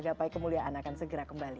gapai kemuliaan akan segera kembali